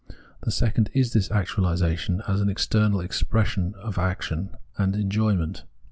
The second is this actuahsation, as an external express action and enjoyment.